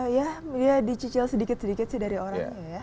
ya dicicil sedikit sedikit sih dari orangnya ya